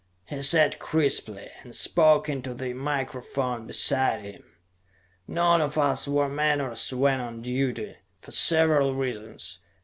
he said crisply, and spoke into the microphone beside him. None of us wore menores when on duty, for several reasons.